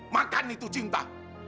makan itu cinta